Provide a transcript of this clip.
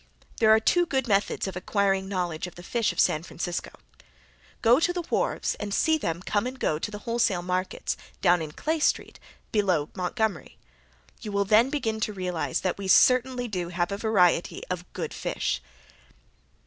There are two good methods of acquiring knowledge of the fish of San Francisco. Go to the wharves and see them come and and go to the wholesale markets down in Clay street, below Montgomery. You will then begin to realize that we certainly do have a variety of good fish.